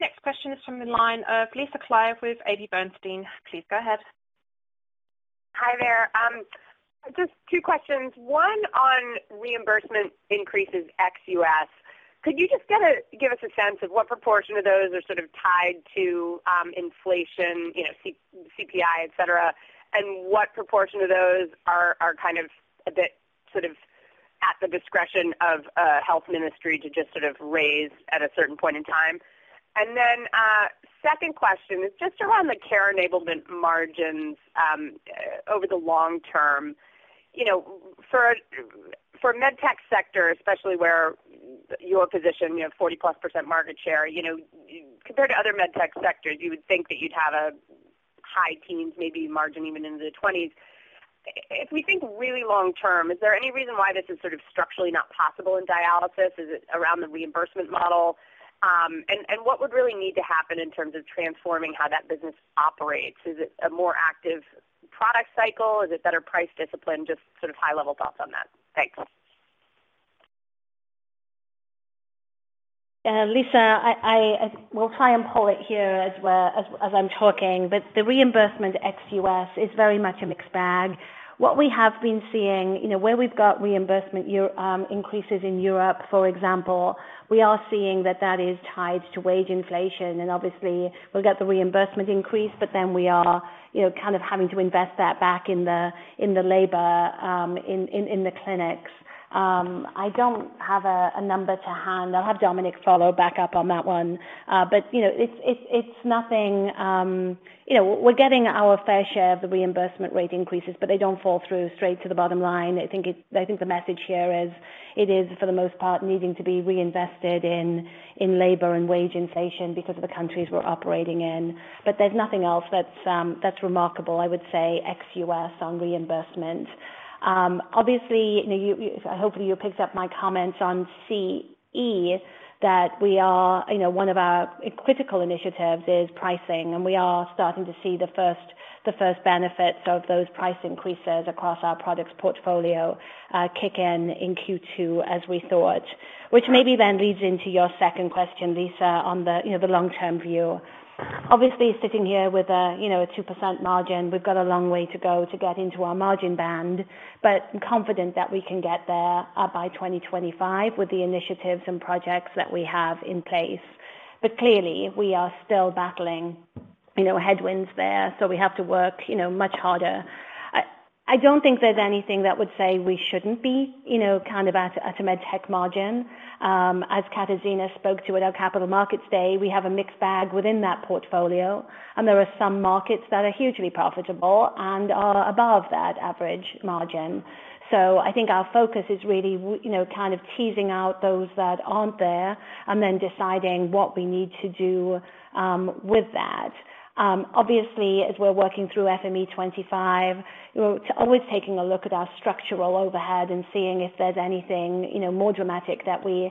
Next question is from the line of Lisa Clive with AB Bernstein. Please go ahead. Hi there. Just 2 questions. 1 on reimbursement increases ex-U.S. Could you just give us a sense of what proportion of those are sort of tied to inflation, you know, CPI, et cetera, and what proportion of those are kind of a bit sort of at the discretion of a health ministry to just sort of raise at a certain point in time? Second question is just around the Care Enablement margins over the long term. You know, for med tech sector, especially where your position, you have 40+% market share, you know, compared to other med tech sectors, you would think that you'd have a high teens, maybe margin even into the 20s. If we think really long term, is there any reason why this is sort of structurally not possible in dialysis? Is it around the reimbursement model? What would really need to happen in terms of transforming how that business operates? Is it a more active product cycle? Is it better price discipline? Just sort of high-level thoughts on that. Thanks. Lisa, I, I, we'll try and pull it here as well as, as I'm talking, but the reimbursement ex-US is very much a mixed bag. What we have been seeing, you know, where we've got reimbursement year, increases in Europe, for example, we are seeing that that is tied to wage inflation, and obviously we'll get the reimbursement increase, but then we are, you know, kind of having to invest that back in the, in the labor, in, in, in the clinics. I don't have a, a number to hand. I'll have Dominik follow back up on that one. You know, it's, it's, it's nothing. You know, we're getting our fair share of the reimbursement rate increases, but they don't fall through straight to the bottom line. I think it-- I think the message here is, it is, for the most part, needing to be reinvested in, in labor and wage inflation because of the countries we're operating in. There's nothing else that's remarkable, I would say, ex-U.S. on reimbursement. Obviously, you know, you, hopefully, you picked up my comments on CE, that we are, you know, one of our critical initiatives is pricing, and we are starting to see the first, the first benefits of those price increases across our products portfolio, kick in in Q2 as we thought. Maybe then leads into your second question, Lisa, on the, you know, the long-term view. Obviously, sitting here with a, you know, a 2% margin, we've got a long way to go to get into our margin band, but I'm confident that we can get there by 2025 with the initiatives and projects that we have in place. Clearly, we are still battling, you know, headwinds there, so we have to work, you know, much harder. I, I don't think there's anything that would say we shouldn't be, you know, kind of at a, at a MedTech margin. As Katarzyna spoke to at our Capital Markets Day, we have a mixed bag within that portfolio, and there are some markets that are hugely profitable and are above that average margin. I think our focus is really, you know, kind of teasing out those that aren't there and then deciding what we need to do with that. Obviously, as we're working through FME25, we're always taking a look at our structural overhead and seeing if there's anything, you know, more dramatic that we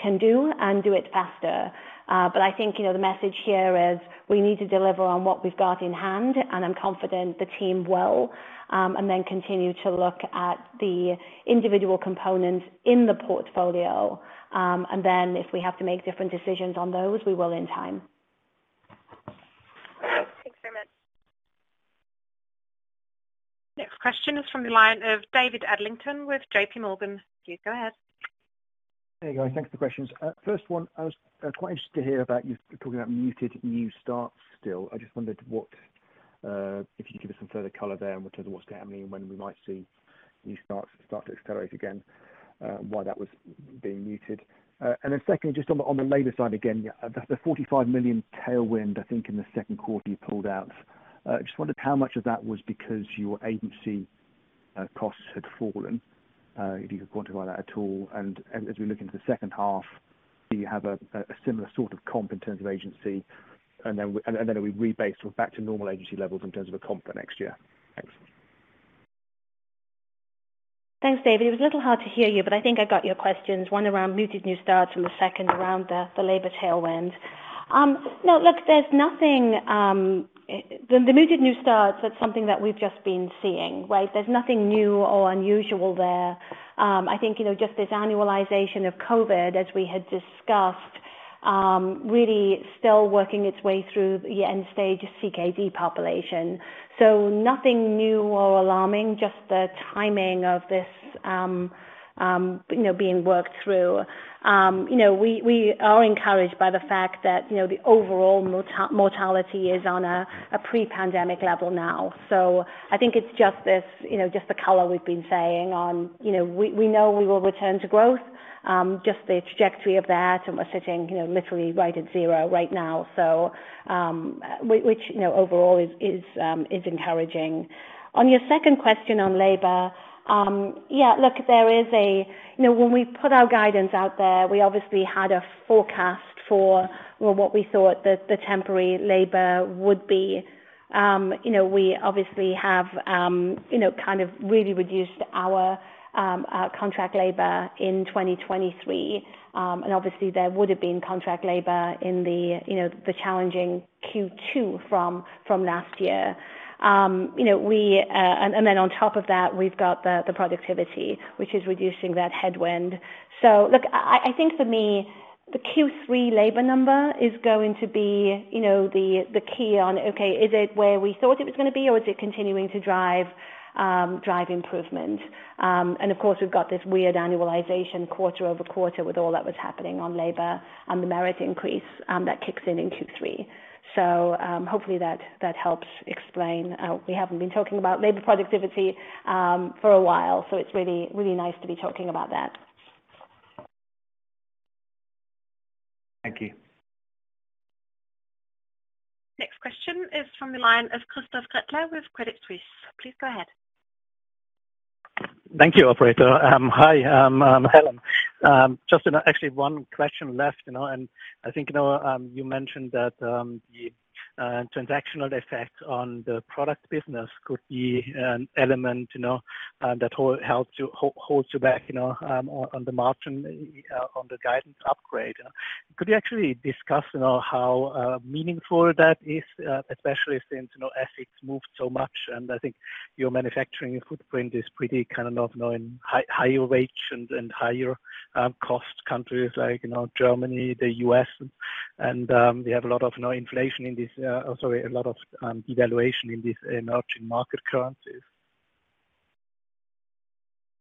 can do and do it faster. I think, you know, the message here is we need to deliver on what we've got in hand, and I'm confident the team will, and then continue to look at the individual components in the portfolio. If we have to make different decisions on those, we will in time. Thanks very much. Next question is from the line of David Adlington with JPMorgan. Please go ahead. Hey, guys, thanks for the questions. First one, I was quite interested to hear about you talking about muted new starts still. I just wondered what if you could give us some further color there in terms of what's happening and when we might see new starts start to accelerate again, why that was being muted? Then secondly, just on the labor side, again, the $45 million tailwind, I think in the 2Q you pulled out. Just wondered how much of that was because your agency costs had fallen, if you could quantify that at all. As we look into the 2H, do you have a similar sort of comp in terms of agency? Are we rebased or back to normal agency levels in terms of a comp for next year? Thanks. Thanks, David. It was a little hard to hear you, but I think I got your questions. One around muted new starts and the second around the labor tailwind. No, look, there's nothing, the muted new starts, that's something that we've just been seeing, right? There's nothing new or unusual there. I think, you know, just this annualization of COVID, as we had discussed, really still working its way through the end-stage CKD population. Nothing new or alarming, just the timing of this, you know, being worked through. You know, we, we are encouraged by the fact that, you know, the overall mortality is on a pre-pandemic level now. I think it's just this, you know, just the color we've been saying on, you know, we, we know we will return to growth, just the trajectory of that, and we're sitting, you know, literally right at zero right now, which, you know, overall is, is encouraging. On your second question on labor, yeah, look, there is. You know, when we put our guidance out there, we obviously had a forecast for, well, what we thought the temporary labor would be. You know, we obviously have, you know, kind of really reduced our contract labor in 2023. And obviously, there would have been contract labor in the, you know, the challenging Q2 from last year. You know, we, and then on top of that, we've got the productivity, which is reducing that headwind. Look, I think for me, the Q3 labor number is going to be, you know, the key on, okay, is it where we thought it was gonna be, or is it continuing to drive improvement? Of course, we've got this weird annualization quarter-over-quarter with all that was happening on labor and the merit increase that kicks in in Q3. Hopefully that helps explain. We haven't been talking about labor productivity for a while, so it's really, really nice to be talking about that. Thank you. Next question is from the line of Christoph Gretler with Credit Suisse. Please go ahead. Thank you, operator. Hi, Helen. Just, actually one question left, you know, and I think, you know, you mentioned that the transactional effect on the product business could be an element, you know, that holds you back, you know, on the margin, on the guidance upgrade. Could you actually discuss, you know, how meaningful that is, especially since, you know, FX moved so much, and I think your manufacturing footprint is pretty kind of, you know, in higher wage and higher cost countries like, you know, Germany, the US, and we have a lot of no inflation in this, sorry, a lot of devaluation in these emerging market currencies.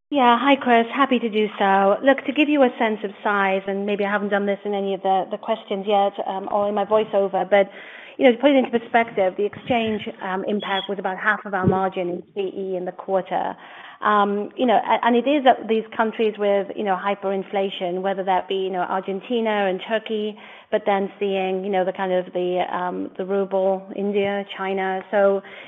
Yeah. Hi, Chris. Happy to do so. Look, to give you a sense of size, and maybe I haven't done this in any of the questions yet, or in my voice over, but, you know, to put it into perspective, the exchange impact was about half of our margin in CE in the quarter. You know, and it is that these countries with, you know, hyperinflation, whether that be, you know, Argentina and Turkey, but then seeing, you know, the kind of the, the Ruble, India, China.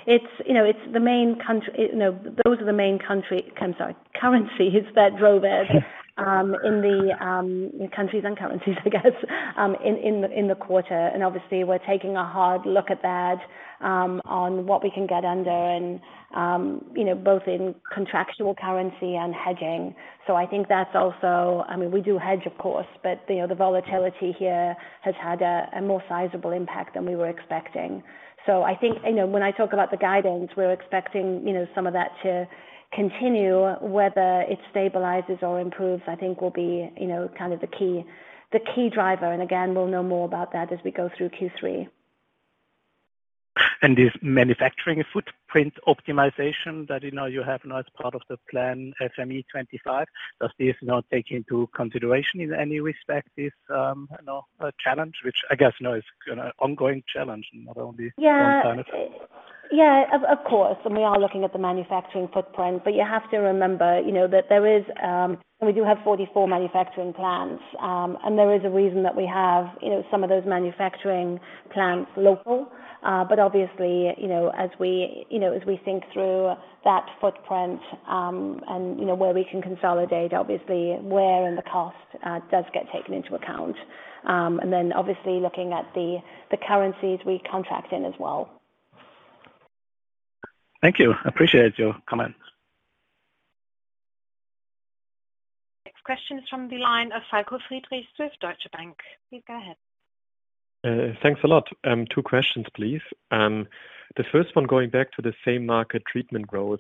It's, you know, it's the main country. You know, those are the main country, sorry, currencies that drove it, in the countries and currencies, I guess, in, in the, in the quarter. Obviously, we're taking a hard look at that, on what we can get under and, you know, both in contractual currency and hedging. I think that's also. I mean, we do hedge, of course, but, you know, the volatility here has had a, a more sizable impact than we were expecting. I think, you know, when I talk about the guidance, we're expecting, you know, some of that to continue. Whether it stabilizes or improves, I think will be, you know, kind of the key, the key driver. Again, we'll know more about that as we go through Q3. This manufacturing footprint optimization that, you know, you have now as part of the plan, FME25, does this not take into consideration in any respect this, you know, challenge, which I guess now is an ongoing challenge, not only... Yeah. one time? Yeah, of, of course, we are looking at the manufacturing footprint, but you have to remember, you know, that there is, we do have 44 manufacturing plants, and there is a reason that we have, you know, some of those manufacturing plants local. Obviously, you know, as we, you know, as we think through that footprint, and, you know, where we can consolidate, obviously where and the cost, does get taken into account. Then obviously, looking at the, the currencies we contract in as well. Thank you. I appreciate your comments. Next question is from the line of Falko Friedrichs with Deutsche Bank. Please go ahead. Thanks a lot. Two questions, please. The first one, going back to the same market treatment growth.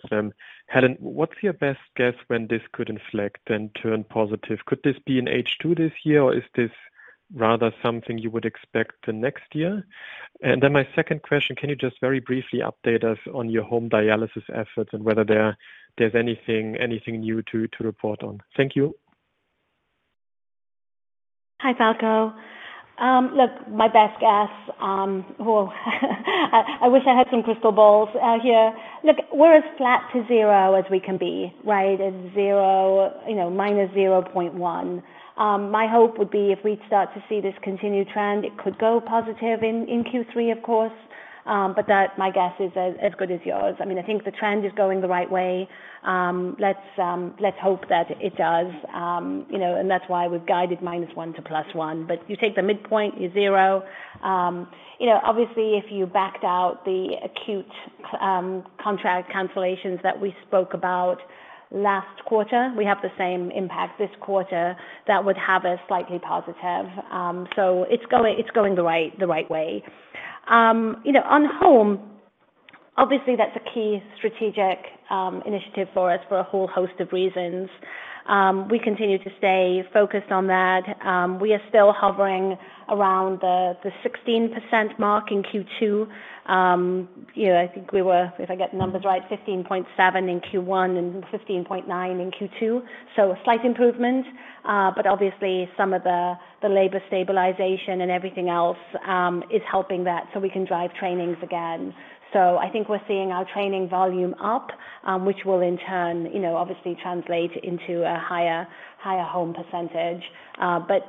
Helen, what's your best guess when this could inflect then turn positive? Could this be in H2 this year, or is this rather something you would expect the next year? My second question, can you just very briefly update us on your home dialysis efforts and whether there's anything new to report on? Thank you. Hi, Falko. Look, my best guess, well, I wish I had some crystal balls out here. Look, we're as flat to zero as we can be, right? At zero, you know, minus 0.1. My hope would be if we'd start to see this continued trend, it could go positive in, in Q3, of course. That my guess is as good as yours. I mean, I think the trend is going the right way. Let's hope that it does. You know, and that's why we've guided -1 to +1. You take the midpoint, you zero. You know, obviously, if you backed out the acute contract cancellations that we spoke about last quarter, we have the same impact this quarter that would have a slightly positive. It's going, it's going the right, the right way. You know, on home, obviously, that's a key strategic initiative for us for a whole host of reasons. We continue to stay focused on that. We are still hovering around the, the 16% mark in Q2. You know, I think we were, if I get the numbers right, 15.7 in Q1 and 15.9 in Q2, so a slight improvement. Obviously, some of the, the labor stabilization and everything else is helping that, so we can drive trainings again. I think we're seeing our training volume up, which will in turn, you know, obviously translate into a higher, higher home percentage.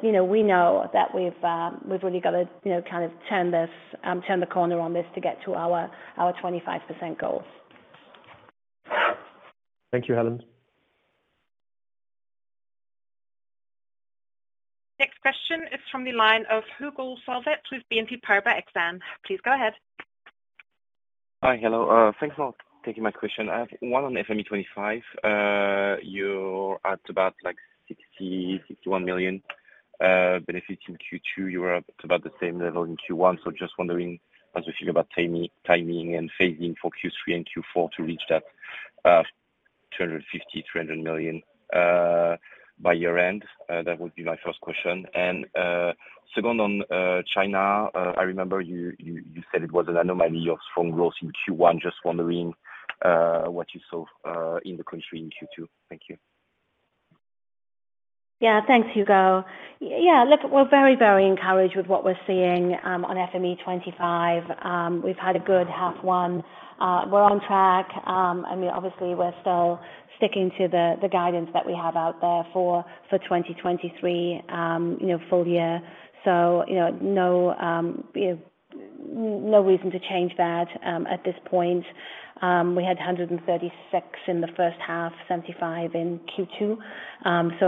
You know, we know that we've, we've really got to, you know, kind of turn this, turn the corner on this to get to our, our 25% goals. Thank you, Helen. Next question is from the line of Hugo Solvet with BNP Paribas Exane. Please go ahead. Hi. Hello, thanks for taking my question. I have one on FME25. You're at about like 60-61 million benefits in Q2. You're up to about the same level in Q1. Just wondering, how do you feel about timing, timing and phasing for Q3 and Q4 to reach that 250-300 million by year-end? That would be my first question. Second on China. I remember you, you, you said it was an anomaly of strong growth in Q1. Just wondering, what you saw in the country in Q2? Thank you. Yeah. Thanks, Hugo. Yeah, look, we're very, very encouraged with what we're seeing on FME25. We've had a good half one. We're on track, and obviously, we're still sticking to the, the guidance that we have out there for, for 2023, you know, full year. You know, no, no reason to change that at this point. We had 136 in the first half, 75 in Q2.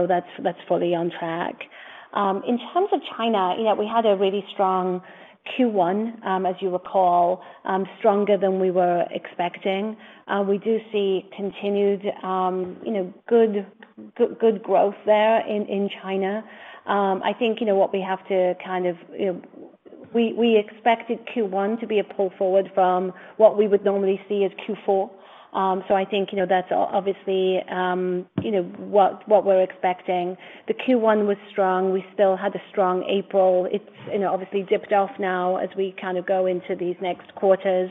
That's, that's fully on track. In terms of China, you know, we had a really strong Q1, as you recall, stronger than we were expecting. We do see continued, you know, good, good, good growth there in, in China. I think, you know, what we have to kind of... We, we expected Q1 to be a pull forward from what we would normally see as Q4. I think, you know, that's obviously, you know, what, what we're expecting. The Q1 was strong. We still had a strong April. It's, you know, obviously dipped off now as we kind of go into these next quarters,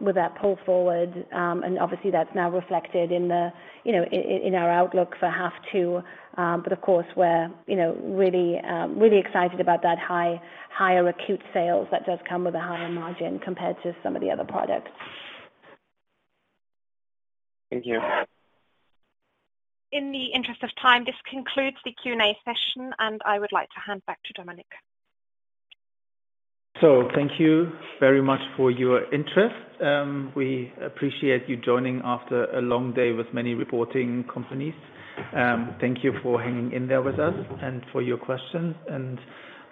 with that pull forward, and obviously, that's now reflected in the, you know, in, in, in our outlook for half two. Of course, we're, you know, really, really excited about that higher acute sales that does come with a higher margin compared to some of the other products. Thank you. In the interest of time, this concludes the Q&A session. I would like to hand back to Dominik. Thank you very much for your interest. We appreciate you joining after a long day with many reporting companies. Thank you for hanging in there with us and for your questions.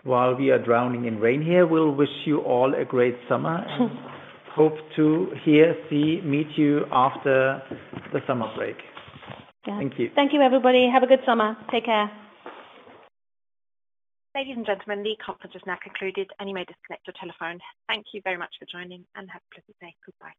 While we are drowning in rain here, we'll wish you all a great summer, hope to hear, see, meet you after the summer break. Yeah. Thank you. Thank you, everybody. Have a good summer. Take care. Ladies and gentlemen, the conference is now concluded, and you may disconnect your telephone. Thank you very much for joining, and have a pleasant day. Goodbye.